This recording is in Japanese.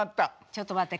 ちょっと待って。